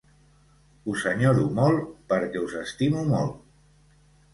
Us enyoro molt perquè us estimo molt.